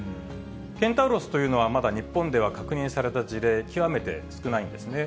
ケンタウロスというのはまだ日本では確認された事例、極めて少ないんですね。